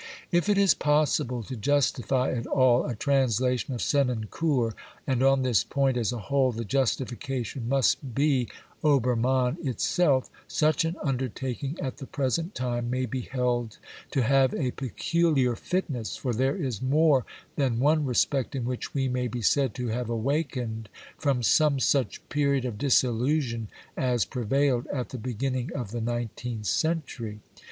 If it is possible to justify at all a translation of Senancour, and on this point as a whole the justification must be Obermann itself, such an undertaking at the present time may be held to have a peculiar fitness, for there is more than one respect in which we may be said to have awakened from some such period of disillusion as prevailed at the beginning of the nineteenth century.